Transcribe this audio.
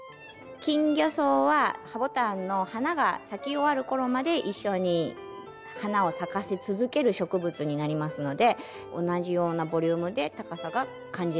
キンギョソウはハボタンの花が咲き終わる頃まで一緒に花を咲かせ続ける植物になりますので同じようなボリュームで高さが感じられる。